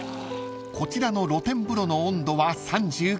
［こちらの露天風呂の温度は３９℃］